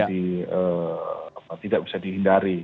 ke pabrik itu kan jadi tidak bisa dihindari